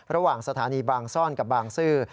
ระหว่างสถานีบางซ่อนกับบางซื่อ